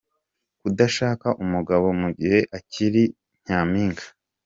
Kudashaka umugabo mu gihe akiri Nyampinga .